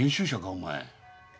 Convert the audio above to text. お前。